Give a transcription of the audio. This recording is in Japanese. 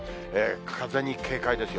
風に警戒ですよ。